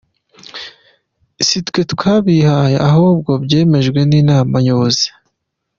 sitwe twabyihaye ahubwo byemejwe n’inama nyobozi.